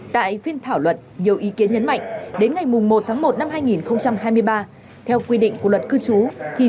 tại phiên thảo luật nhiều ý kiến nhấn mạnh đến ngày một một hai nghìn hai mươi ba theo quy định của luật cư trú thì